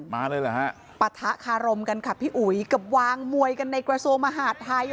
มาเลยเหรอฮะปะทะคารมกันค่ะพี่อุ๋ยกับวางมวยกันในกระทรวงมหาดไทย